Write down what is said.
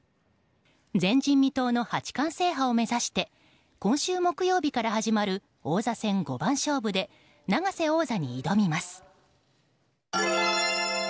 前人未到の八冠制覇を目指して今週木曜日から始まる王座戦五番勝負で永瀬王座に挑みます。